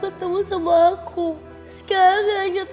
yang harus ditunggu consisting firma anda para k biography